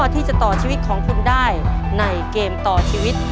ที่จะต่อชีวิตของคุณได้ในเกมต่อชีวิต